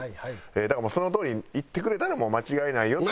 だからそのとおりに行ってくれたらもう間違いないよと。